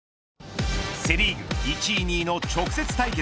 セ・リーグ１位２位の直接対決。